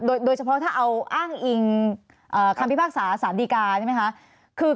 โดยเฉพาะถ้าเอาอ้างอิงคำพิพากษาสารดีกาใช่ไหมคะ